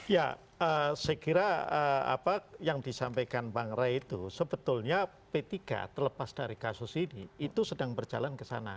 ya saya kira apa yang disampaikan bang ray itu sebetulnya p tiga terlepas dari kasus ini itu sedang berjalan ke sana